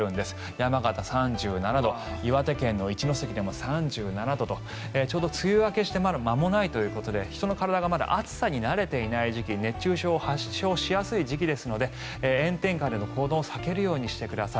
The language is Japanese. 山形、３７度岩手県の一関でも３７度とちょうど梅雨明けしてまだ間もないということで人の体が暑さに慣れていない時期熱中症を発症しやすい時期ですので炎天下での行動を避けるようにしてください。